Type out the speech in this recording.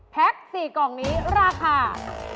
๔กล่องนี้ราคา